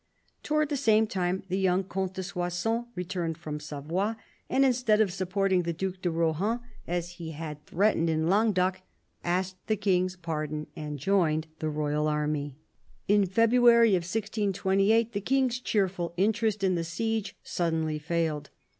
Towards the same time the young Comte de Soissons returned from Savoy, and instead of supporting the Due de Rohan, as he had 190 CARDINAL DE RICHELIEU threatened, in Languedoc, asked the King's pardon and joined the royal army. In February 1628 the King's cheerful interest in the siege suddenly failed.